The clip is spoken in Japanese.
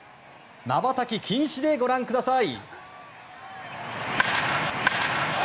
まばたき禁止でご覧ください。